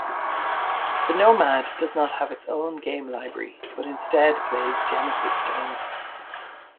The Nomad does not have its own game library, but instead plays Genesis games.